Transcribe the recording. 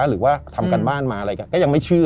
หรือว่าทำการบ้านมาอะไรกัน